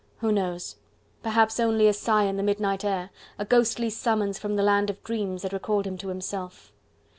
who knows, perhaps only a sigh in the midnight air, a ghostly summons from the land of dreams that recalled him to himself.